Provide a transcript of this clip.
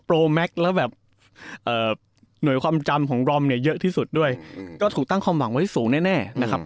แม็กซ์แล้วแบบหน่วยความจำของรอมเนี่ยเยอะที่สุดด้วยก็ถูกตั้งความหวังไว้สูงแน่นะครับ